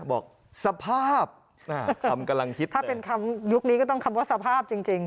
บอกสภาพคำกำลังฮิตถ้าเป็นคำยุคนี้ก็ต้องคำว่าสภาพจริงจริง